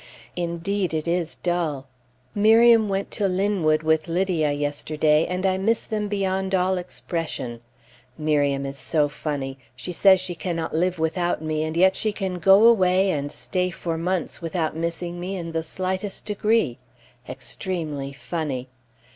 Indeed it is dull. Miriam went to Linwood with Lydia yesterday, and I miss them beyond all expression. Miriam is so funny! She says she cannot live without me, and yet she can go away, and stay for months without missing me in the slightest degree. Extremely funny!